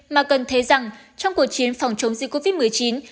mà cần thấy rằng trong cuộc chiến phòng chống dịch covid một mươi chín